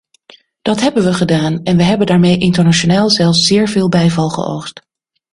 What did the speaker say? Dat hebben we gedaan en we hebben daarmee internationaal zelfs zeer veel bijval geoogst.